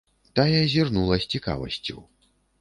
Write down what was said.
Тая зірнула з цікавасцю.